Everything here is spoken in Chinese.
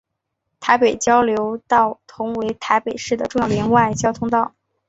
台北交流道同为台北市的重要联外交流道。